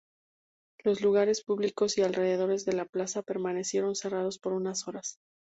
Los lugares públicos y alrededores de la plaza permanecieron cerrados por unas horas.